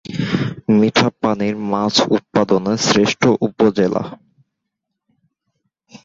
মিঠা পানির মাছ উৎপাদনে শ্রেষ্ঠ উপজেলা।